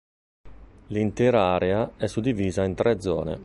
L'intera area è suddivisa in tre zone.